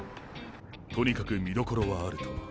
とにかく見どころはあると。